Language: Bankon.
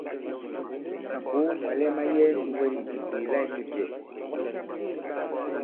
Màkòo mwàlɛ ma yɛɛ ndi wɛ nì bìkwèè la inyūcɛ̄?